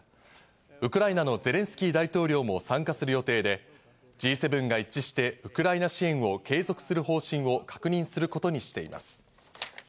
ウクライナのゼレンスキー大統領も参加する予定で、Ｇ７が一致してウクライナ支援を継続する方針を確認することにしています。